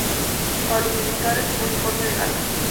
Para los militares, uniforme de gala.